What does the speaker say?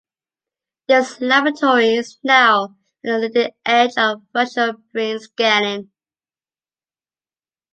This laboratory is now at the leading edge of functional brain scanning.